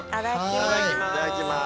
いただきます。